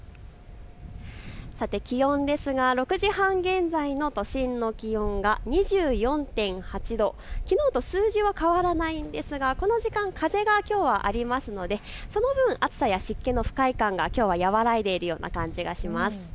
さて気温ですが６時半現在の都心の気温が２４．８度、きのうと数字は変わらないですがこの時間、風がきょうはあるのでその分、暑さや湿気の不快感がきょうは和らいでいるような感じがします。